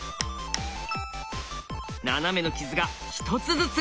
ナナメの傷が一つずつ。